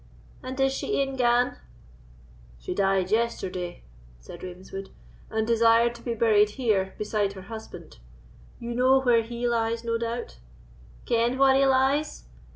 And is she e'en gane?" "She died yesterday," said Ravenswood; "and desired to be buried here beside her husband; you know where he lies, no doubt?" "Ken where he lies!"